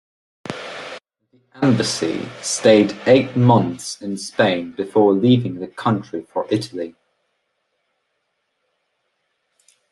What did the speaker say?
The embassy stayed eight months in Spain before leaving the country for Italy.